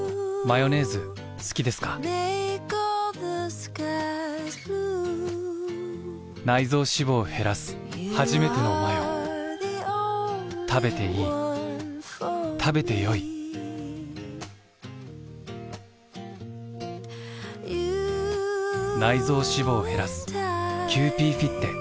ヨネーズ好きですか臓脂肪を減らすはじめてのマヨべていい食べてよいキユーピーフィッテ」